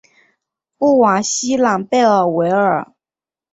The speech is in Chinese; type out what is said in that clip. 布瓦西朗贝尔维尔。